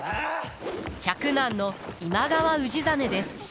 嫡男の今川氏真です。